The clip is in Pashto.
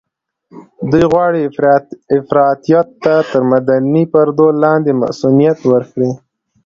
دوی غواړي افراطيت ته تر مدني پردو لاندې مصؤنيت ورکړي.